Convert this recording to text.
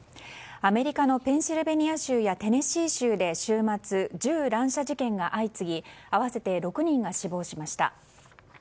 アメリカのペンシルベニア州やテネシー州で週末、銃乱射事件が相次ぎ合わせて６人が死亡しました。